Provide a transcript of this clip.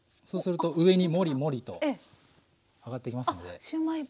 そうすると上にモリモリと上がってきますので。